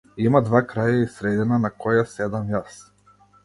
Има два краја и средина на која седам јас.